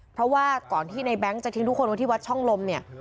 เพราะว่าก่อนที่ในแบงค์จะทิ้งทุกคนไว้ที่วัดช่องลมเนี่ย